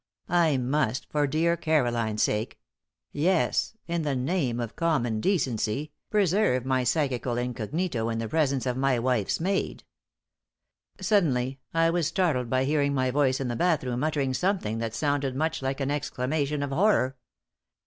I must, for my dear Caroline's sake yes, in the name of common decency preserve my psychical incognito in the presence of my wife's maid. Suddenly, I was startled by hearing my voice in the bathroom uttering something that sounded much like an exclamation of horror.